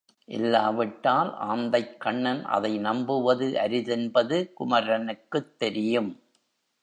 இல்லா விட்டால் ஆந்தைக்கண்ணன் அதை நம்புவது அரிதென்பது குமரனுக்குத் தெரியும்.